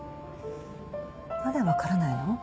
まだ分からないの？